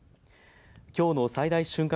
きょうの最大瞬間